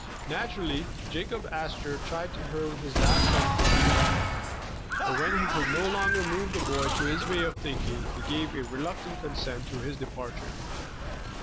Naturally, Jacob Astor tried to hold his last son from leaving home, but when he could no longer move the boy to his way of thinking, he gave a reluctant con sent to his departure.